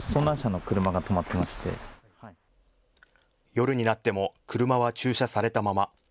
夜になっても車は駐車されたまま。